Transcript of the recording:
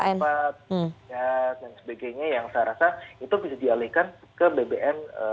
proyek kereta cepat dan sebagainya yang saya rasa itu bisa dialihkan ke bbm